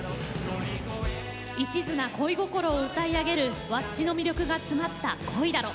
いちずな恋心を歌い上げるｗａｃｃｉの魅力が詰まった「恋だろ」。